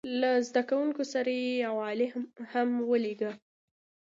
له زده کوونکو سره یې یو عالم هم ولېږه.